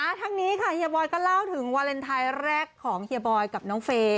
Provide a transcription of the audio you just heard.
ทั้งนี้ค่ะเฮียบอยก็เล่าถึงวาเลนไทยแรกของเฮียบอยกับน้องเฟย์